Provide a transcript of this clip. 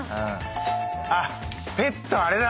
あっペットあれだ。